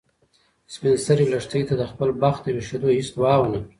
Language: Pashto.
سپین سرې لښتې ته د خپل بخت د ویښېدو هیڅ دعا ونه کړه.